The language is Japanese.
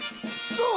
そう。